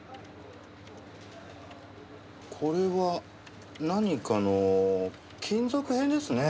これは何かの金属片ですね。